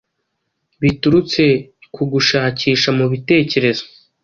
biturutse ku gushakisha mu bitekerezo.